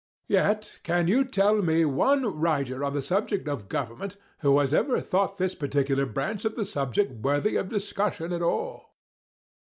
Yet can you tell me one writer on the subject of government who has ever thought this particular branch of the subject worthy of discussion at all?"